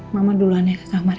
mama duluan ya ke kamar ya